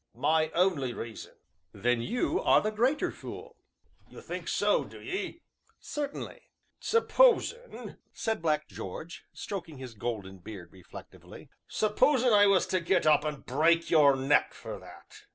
"My only reason." "Then you are the greater fool." "You think so, do ye?" "Certainly." "Supposin'," said Black George, stroking his golden beard reflectively, "supposin' I was to get up and break your neck for that."